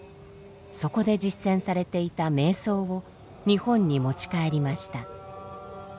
そこで実践されていた瞑想を日本に持ち帰りました。